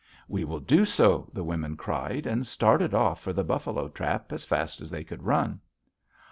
"'We will do so!' the women cried, and started off for the buffalo trap as fast as they could run.